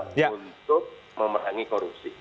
untuk memahami korupsi